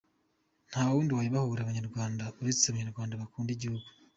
Nta wundi wabibohora, Abanyarwanda, uretse Abanyarwanda bakunda igihugu.